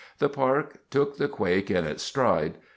The Park took the quake in its stride.